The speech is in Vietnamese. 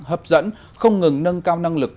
hấp dẫn không ngừng nâng cao năng lực